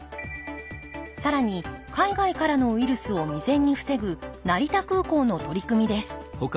更に海外からのウイルスを未然に防ぐ成田空港の取り組みです